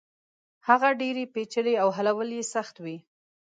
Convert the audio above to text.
هغه ډېرې پېچلې او حلول يې سخت وي.